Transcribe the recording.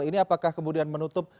ini apakah kemudian menutup